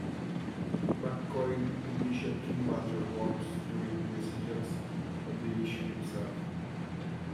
MacColl published two major works during these years on the issue himself.